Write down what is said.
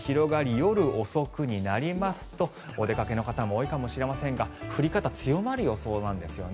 夜遅くになりますとお出かけの方も多いかもしれませんが降り方強まる予想なんですよね。